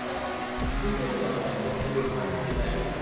不便は全く感じてないですね。